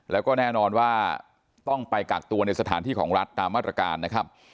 แล้วก็แน่นอนว่าต้องไปกักตัวในสถานที่ของรัฐตามมาตรการนะครับ